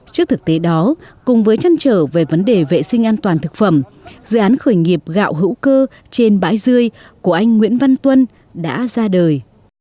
trước thực tế đó cùng với chăn trở về vấn đề vệ sinh an toàn thực phẩm dự án khởi nghiệp gạo hữu cơ trên bãi dươi của anh nguyễn văn tuân đã ra đời